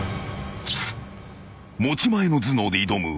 ［持ち前の頭脳で挑む謎解き